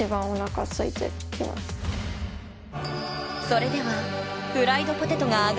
それではあ。